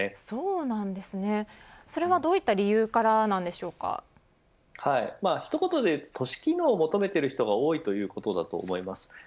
そんなんですね、それはどういった一言で言うと都市機能を求めている人が多いということだと思います。